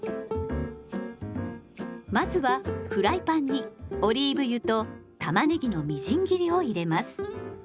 まずはフライパンにオリーブ油とたまねぎのみじん切りを入れます。